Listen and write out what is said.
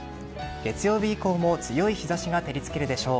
月曜日以降も強い日差しが照り付けるでしょう。